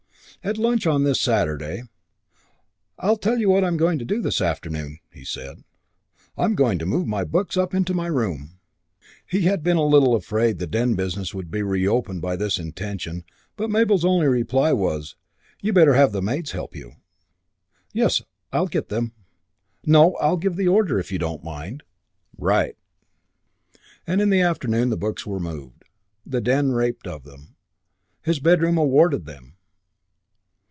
At lunch on this Saturday, "I tell you what I'm going to do this afternoon," he said. "I'm going to move my books up into my room." He had been a little afraid the den business would be reopened by this intention, but Mabel's only reply was, "You'd better have the maids help you." "Yes, I'll get them." "No, I'll give the order, if you don't mind." "Right!" And in the afternoon the books were moved, the den raped of them, his bedroom awarded them.